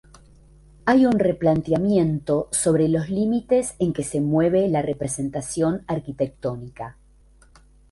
Hay un replanteamiento sobre los límites en que se mueve la representación arquitectónica.